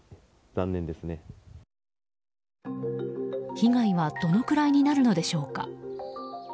被害はどのくらいになるのでしょうか。